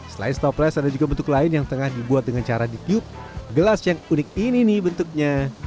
selain stopless ada juga bentuk lain yang tengah dibuat dengan cara ditiup gelas yang unik ini nih bentuknya